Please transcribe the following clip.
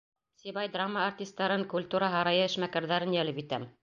Сибай драма артистарын, культура һарайы эшмәкәрҙәрен йәлеп итәм.